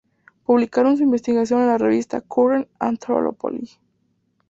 Publicaron su investigación en la revista "Current Anthropology".